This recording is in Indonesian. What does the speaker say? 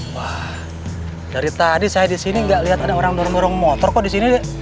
wah dari tadi saya disini gak liat ada orang nurung nurung motor kok disini deh